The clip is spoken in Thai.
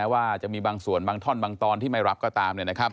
ว่าจะมีบางส่วนบางท่อนบางตอนที่ไม่รับก็ตาม